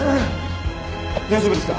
大丈夫ですか！？